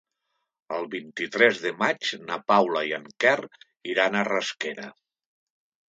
El vint-i-tres de maig na Paula i en Quer iran a Rasquera.